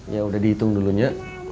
ya udah dihitung dulunya